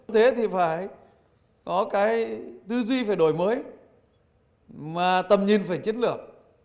thế thì phải có cái tư duy phải đổi mới mà tầm nhìn về chiến lược